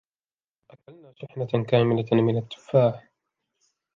أكلنا شحنة كاملة من التفاح.